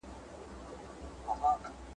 خدای مي دي ملګرو په دې لویه ګناه نه نیسي `